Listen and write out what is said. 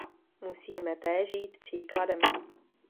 Musíme též jít příkladem.